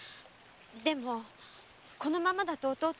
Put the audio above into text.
でもこのままだと弟は。